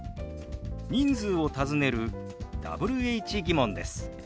人数を尋ねるＷｈ−疑問です。